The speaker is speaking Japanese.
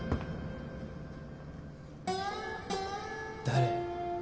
誰？